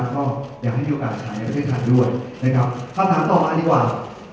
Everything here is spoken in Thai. กำยังมีโอกาสสามารถธัดด้วยนะครับกำตามต่อมาดีกว่า